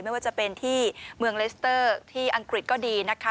แม้ว่าจะเป็นที่เมืองที่อังกฤษก็ดีนะคะ